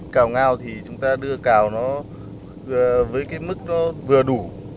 cà ngao thì chúng ta đưa cào nó với cái mức nó vừa đủ